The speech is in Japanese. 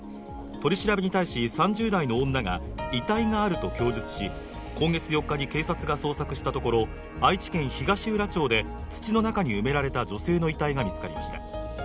取り調べに対し３０代の女が遺体があると供述し、今月４日に警察が捜索したところ、愛知県東浦町で土の中に埋められた女性の遺体が見つかりました。